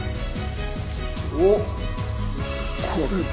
おっこれだ！